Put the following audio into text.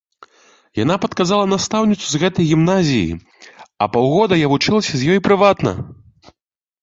Яна падказала настаўніцу з гэтай гімназіі, і паўгода я вучылася ў яе прыватна.